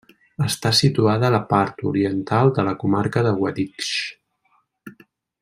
Està situada a la part oriental de la comarca de Guadix.